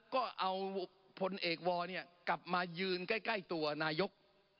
ก็เอาผลเอกวอร์เนี่ยกลับมายืนใกล้ตัวนายก